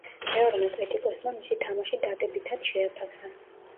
ბევრმა კრიტიკოსმა მისი თამაში დადებითად შეაფასა.